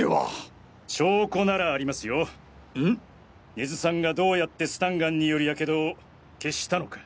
根津さんがどうやってスタンガンによる火傷を消したのか。